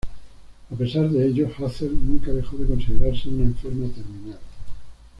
A pesar de ello, Hazel nunca dejó de considerarse una enferma terminal.